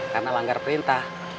karena langgar perintah